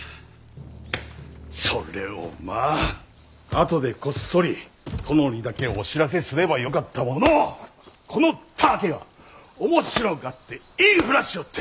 それをまあ後でこっそり殿にだけお知らせすればよかったものをこのたわけは面白がって言い触らしよって！